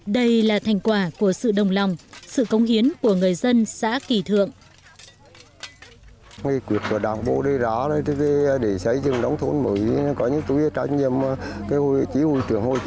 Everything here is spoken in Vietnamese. đây là thành quả của sự đồng lòng sự cống hiến của người dân xã kỳ thượng